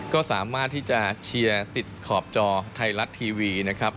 ก็สามารถที่จะเชียร์ติดขอบจอไทยรัฐทีวีนะครับ